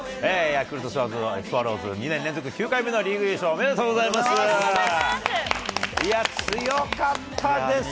ヤクルトスワローズ、２年連続９回目のリーグ優勝、おめでとうございます。